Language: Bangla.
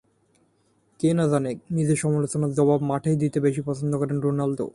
কে না জানে, নিজের সমালোচনার জবাব মাঠেই দিতে বেশি পছন্দ করেন রোনালদো